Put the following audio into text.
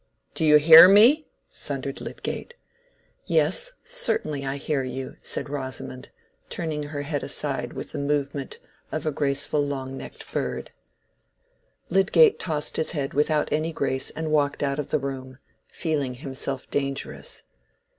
"Do you hear me?" thundered Lydgate. "Yes, certainly I hear you," said Rosamond, turning her head aside with the movement of a graceful long necked bird. Lydgate tossed his head without any grace and walked out of the room, feeling himself dangerous.